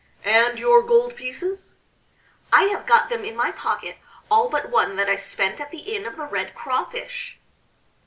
"And your gold pieces?" "I have got them in my pocket, all but one that I spent at the Inn of the Red Crawfish."